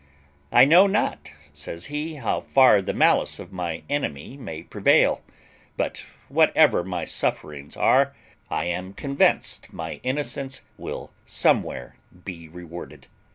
"I know not," says he, "how far the malice of my enemy may prevail; but whatever my sufferings are, I am convinced my innocence will somewhere be rewarded.